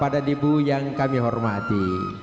bapak dan ibu yang kami hormati